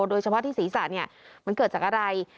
โดยเฉพาะที่ศีรษะมันเกิดจากอะไร